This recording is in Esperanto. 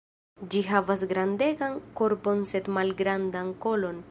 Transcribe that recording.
Ĝi havas grandegan korpon sed malgrandan kolon.